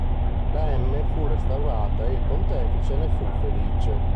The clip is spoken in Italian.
La M fu restaurata e il pontefice ne fu felice.